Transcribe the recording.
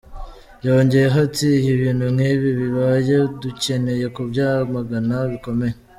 Yongeyeho ati: "Iyo ibintu nk'ibi bibaye, ducyeneye kubyamagana bikomeye.